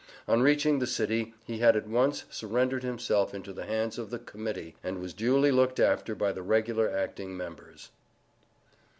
On reaching the city, he at once surrendered himself into the hands of the Committee, and was duly looked after by the regular acting members.